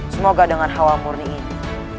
semoga dengan hawa murni ini